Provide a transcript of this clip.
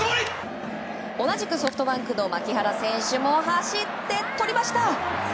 同じくソフトバンクの牧原選手も走って、とりました！